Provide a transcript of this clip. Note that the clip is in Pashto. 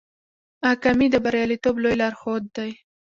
اکامي د بریالیتوب لوی لارښود دی.